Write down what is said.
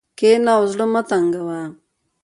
کښېنه او زړه مه تنګوه.